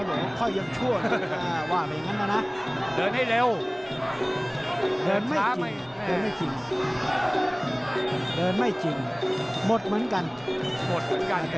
บอกว่าค่อยยังชั่วว่าไปอย่างนั้นละนะ